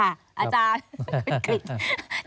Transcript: อาจารย์คุณกริจ